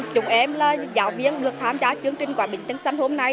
chúng em là giáo viên được tham gia chương trình quả bánh trưng xanh hôm nay